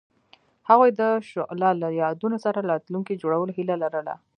هغوی د شعله له یادونو سره راتلونکی جوړولو هیله لرله.